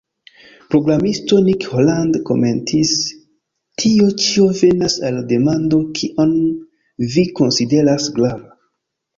Programisto Nick Holland komentis: "Tio ĉio venas al demando kion vi konsideras grava.".